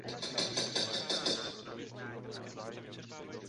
Vlastnosti radioaktivní přeměny lze zkoumat pomocí statistických metod.